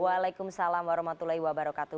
waalaikumsalam warahmatullahi wabarakatuh